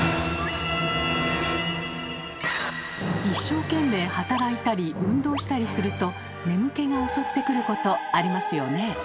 一生懸命働いたり運動したりすると眠気がおそってくることありますよねえ。